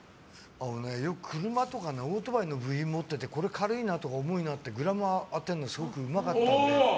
よく車とかオートバイの部品持ってるとこれ軽いなとか重いなってグラムを当てるのすごくうまかったので。